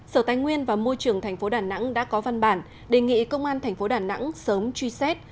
sở tài nguyên và môi trường tp đà nẵng đã có văn bản đề nghị công an thành phố đà nẵng sớm truy xét